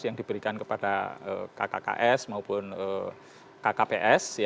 yang diberikan kepada kkks maupun kkps